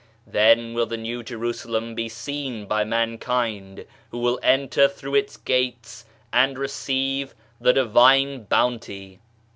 Then will the New Jerusalem be seen by Mankind, who will enter through its gates and receive the Divine Bounty.